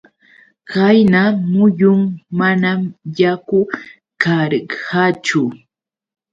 Qayna muyun manam yaku karqachu.